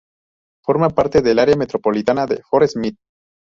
Forma parte del área metropolitana de Fort Smith.